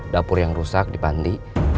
dapur yang rusak di pandi